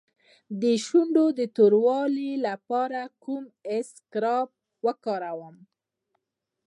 د شونډو د توروالي لپاره کوم اسکراب وکاروم؟